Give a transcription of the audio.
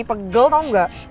pegel tau gak